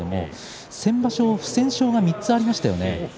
先場所不戦勝が３つありますよね。